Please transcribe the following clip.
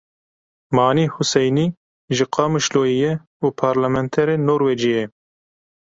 Manî Huseynî ji Qamişloyê ye û parlementerê Norwêcê ye.